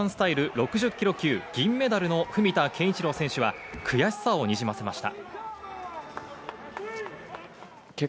６０ｋｇ級、銀メダルの文田健一郎選手は悔しさをにじませました。